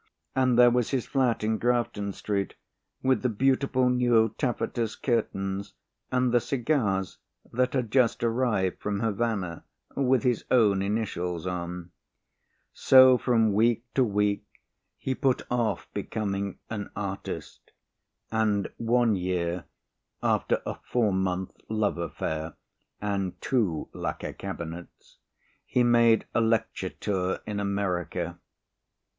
And there was his flat in Grafton Street with the beautiful new taffetas curtains and the cigars that had just arrived from Havana, with his own initials on. So from week to week he put off becoming an artist and one year (after a four month love affair and two lacquer cabinets) he made a lecture tour in America.